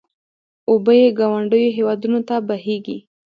اوبه یې ګاونډیو هېوادونو ته بهېږي.